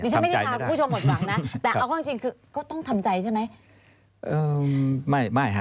ดิฉันไม่ได้ทาผู้ชมหมดฝั่งนะแต่เอาจริงคือก็ต้องทำใจใช่ไหม